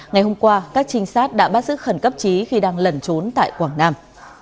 ngày hôm qua các trinh sát đã bắt giữ khẩn cấp trí khi đang lẩn trốn tại quảng nam